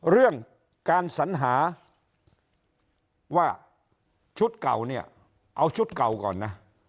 เรื่องการสัญหาว่าชุดเก่าเนี่ยเอาชุดเก่าก่อนนะ